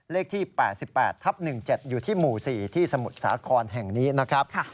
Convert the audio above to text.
เลขที่๘๘ทับ๑๗อยู่ที่หมู่๔ที่สมุทรสาครแห่งนี้นะครับ